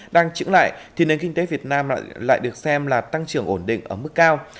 đang trứng lại thì nền kinh tế việt nam lại được xem là tăng trưởng ổn định ở mức cao